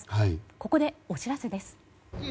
ここでお知らせです。